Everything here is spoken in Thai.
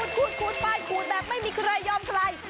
ขูดไปขูดแบบไม่มีใครยอมใคร